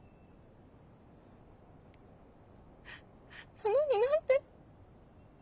なのに何で。